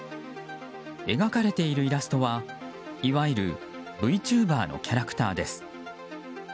描かれているイラストはいわゆるＶチューバーのキャラクターです。